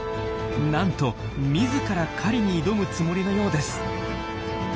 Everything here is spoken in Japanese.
なんと自ら狩りに挑むつもりのようです。